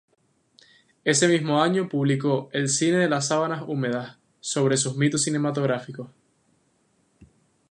Ese mismo año publicó "El cine de las sábanas húmedas" sobre sus mitos cinematográficos.